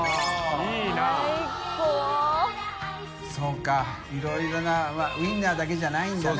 修Δいろいろなまぁウインナーだけじゃないんだね。